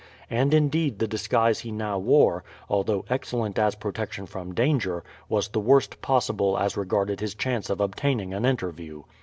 And indeed the disguise he now wore, although excellent as protection from danger, was the worst possible as regarded his chance of obtaining an interview.